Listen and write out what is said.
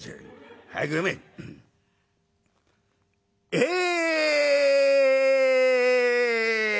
「ええ」。